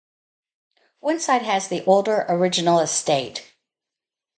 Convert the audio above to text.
One side has the older, original estate.